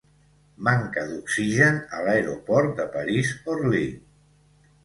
Manca d'oxigen a l'aeroport de París Orly.